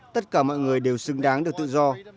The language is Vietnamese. tất cả mọi người đều xứng đáng được tự do